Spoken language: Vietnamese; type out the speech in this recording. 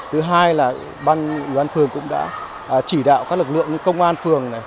thứ hai là ban ủy ban phường cũng đã chỉ đạo các lực lượng như công an phường